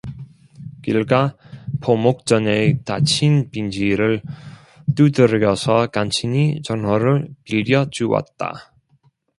길가 포목전의 닫힌 빈지를 두드려서 간신히 전화를 빌려 주었다.